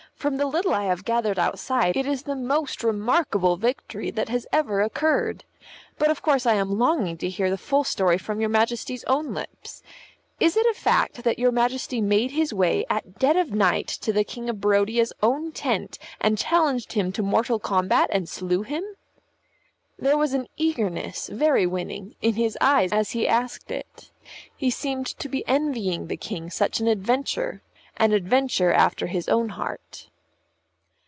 From the little I have gathered outside, it is the most remarkable victory that has ever occurred. But of course I am longing to hear the full story from your Majesty's own lips. Is it a fact that your Majesty made his way at dead of night to the King of Barodia's own tent and challenged him to mortal combat and slew him?" There was an eagerness, very winning, in his eyes as he asked it; he seemed to be envying the King such an adventure an adventure after his own heart.